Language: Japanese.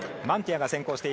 マンティアが先行。